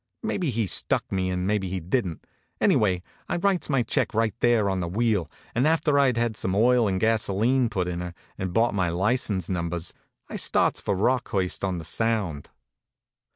Maybe he stuck me, and maybe he didn t. Anyway, I writes my check right there on the wheel, and after I d had some oil and gasolene put in her, and bought my license numbers, I starts for Rockhurst on the Sound.